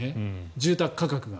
住宅価格が。